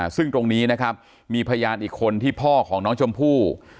ซึ่งตรงนี้นะครับมีพยานอีกคนที่พ่อของน้องชมพู่